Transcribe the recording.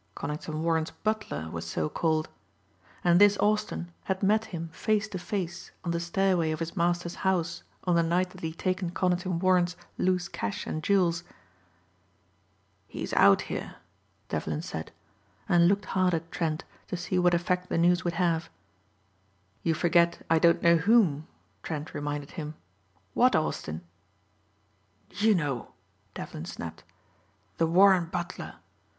Conington Warren's butler was so called. And this Austin had met him face to face on the stairway of his master's house on the night that he had taken Conington Warren's loose cash and jewels. "He's out here," Devlin said and looked hard at Trent to see what effect the news would have. "You forget I don't know whom," Trent reminded him. "What Austin?" "You know," Devlin snapped, "the Warren butler.